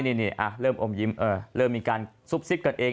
นี่เริ่มอมยิ้มเริ่มมีการซุบซิบกันเอง